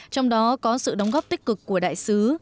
trong đó có sự đóng góp tích cực của đại sứ